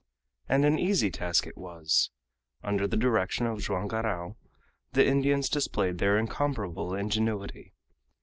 And an easy task it was. Under the direction of Joam Garral the Indians displayed their incomparable ingenuity.